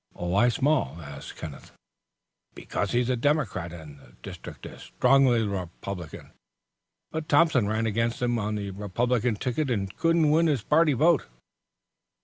"Why small?" asked Kenneth. "Because he's a Democrat, and the district is strongly Republican. But Thompson ran against him on the Republican ticket and couldn't win his party vote."